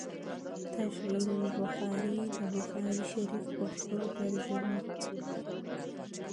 “ تشعيل البخاري” َد بخاري شريف پښتو ترجمه